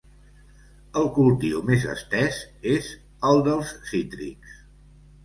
El cultiu més estès és el dels cítrics.